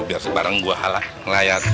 biar sebarang gue halah ngelayar ya